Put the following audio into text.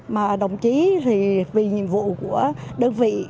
mà đồng chí thì vì nhiệm vụ của đơn vị